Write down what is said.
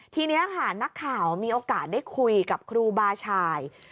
ทีนี้ค่ะนักข่าวมีโอกาสได้คุยกับครูบาชาย